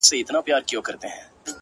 له یوه کلي تر بله” هديرې د ښار پرتې دي”